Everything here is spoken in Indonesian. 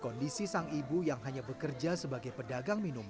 kondisi sang ibu yang hanya bekerja sebagai pedagang minuman